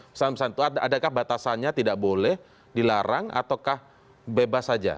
misalnya adakah batasannya tidak boleh dilarang ataukah bebas saja